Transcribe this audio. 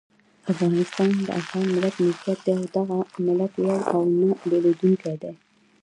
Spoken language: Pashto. افغانستان د افغان ملت ملکیت دی او دغه ملت یو او نه بېلیدونکی دی.